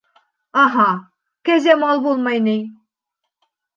— Аһа, кәзә мал булмай ни.